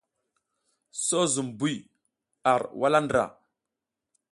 So zum buy a wuzla ndra.